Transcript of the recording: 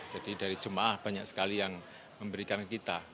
jadi dari jemaah banyak sekali yang memberikan kita